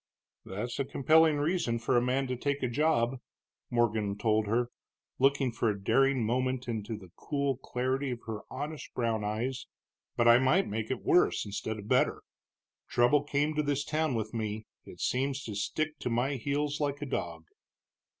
"That's a compelling reason for a man to take a job," Morgan told her, looking for a daring moment into the cool clarity of her honest brown eyes. "But I might make it worse instead of better. Trouble came to this town with me; it seems to stick to my heels like a dog."